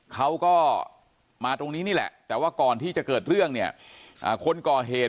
เขาก็มาตรงนี้นี่แหละแต่ว่าก่อนที่จะเกิดเรื่องเนี่ยคนก่อเหตุ